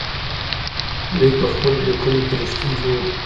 دوی په خپلو ليکنو کې رښتيني نه وو.